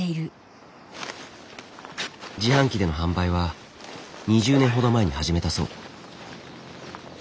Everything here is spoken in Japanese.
自販機での販売は２０年ほど前に始めたそう。